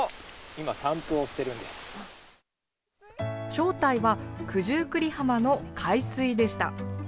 正体は九十九里浜の海水でした。